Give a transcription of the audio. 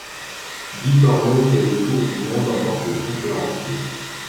Guy Corneau fait le tour du monde en tant que conférencier.